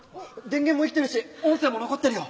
電源も生きてるし音声も残ってるよ。